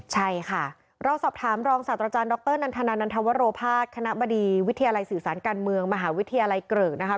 ใช่ค่ะเราสอบถามรองศาสตราจารย์ดรนันทนานันทวโรภาสคณะบดีวิทยาลัยสื่อสารการเมืองมหาวิทยาลัยเกริกนะคะ